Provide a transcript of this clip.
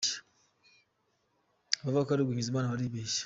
Abavuga ko ari uguhinyuza Imana baribeshya.